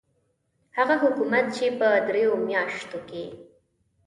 هغه حکومت چې په دریو میاشتو کې.